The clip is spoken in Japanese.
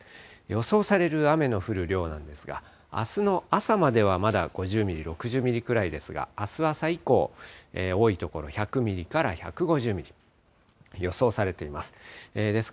予想される雨の降る量なんですが、あすの朝まではまだ５０ミリ、６０ミリくらいですが、あす朝以降、多い所で１００ミリから１５０ミリ、予想されています。